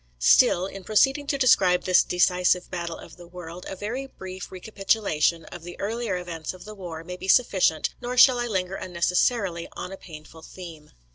Still, in proceeding to describe this "decisive battle of the world," a very brief recapitulation of the earlier events of the war may be sufficient; nor shall I linger unnecessarily on a painful theme.